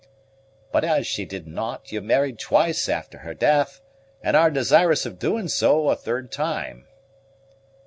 "But as she did not, you married twice after her death; and are desirous of doing so a third time."